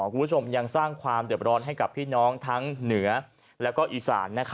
คุณผู้ชมยังสร้างความเดือบร้อนให้กับพี่น้องทั้งเหนือและอีสาน